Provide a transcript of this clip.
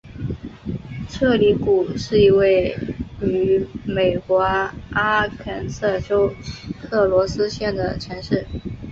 彻里谷是一个位于美国阿肯色州克罗斯县的城市。